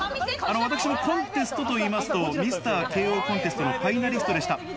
私はコンテストと言いますと、ミスター慶應コンテスト、ファイナリストでした。